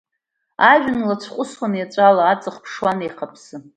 Ажәҩан лацәҟәысуан еҵәала, аҵх ԥшуан еихаԥсы.